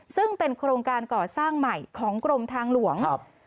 ซึ่งเป็นโครงการก่อสร้างใหม่ของกรมทางหลวง